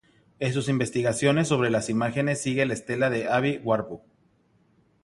En sus investigaciones sobre las imágenes sigue la estela de Aby Warburg.